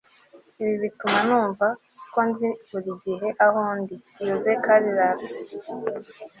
ibi bituma numva ko nzi buri gihe aho ndi. - jose carreras